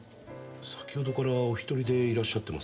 先ほどからお一人でいらっしゃってますが。